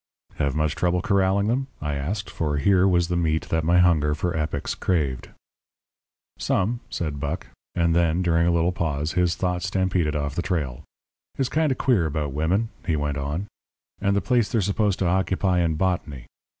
"Have much trouble corralling them?" I asked, for here was the meat that my hunger for epics craved. "Some," said Buck; and then, during a little pause, his thoughts stampeded off the trail. "It's kind of queer about women," he went on, "and the place they're supposed to occupy in botany.